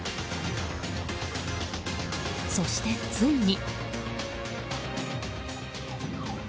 そして、ついに。